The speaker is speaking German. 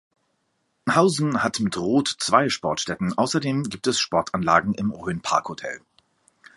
Hausen hat mit Roth zwei Sportstätten, außerdem gibt es Sportanlagen im Rhön-Park-Hotel.